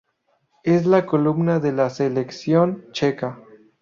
Es la columna de la selección checa.